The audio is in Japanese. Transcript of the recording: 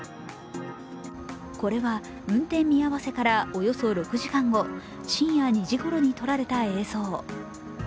これは運転見合せからおよそ６時間後、深夜２時ごろに撮られた映像。